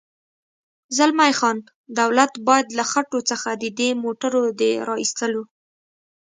زلمی خان: دولت باید له خټو څخه د دې موټرو د را اېستلو.